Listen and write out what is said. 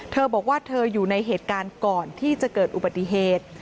เธอบอกว่าเธออยู่ในเหตุการณ์ก่อนที่จะเกิดอุบัติเหตุ